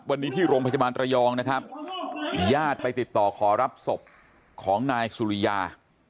วันนี้ที่โรงพยาบาลระยองนะครับญาติไปติดต่อขอรับศพของนายสุริยา